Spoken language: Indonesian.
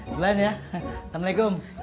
pulang ya assalamualaikum